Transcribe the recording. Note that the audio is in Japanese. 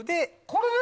これで。